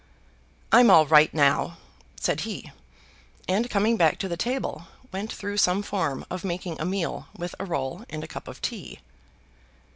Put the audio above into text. "I'm all right now," said he, and coming back to the table, went through some form of making a meal with a roll and a cup of tea.